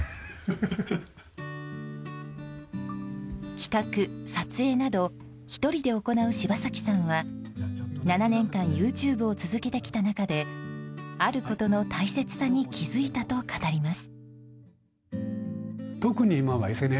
企画、撮影など１人で行う柴崎さんは７年間ＹｏｕＴｕｂｅを続けてきた中であることの大切さに気付いたと語ります。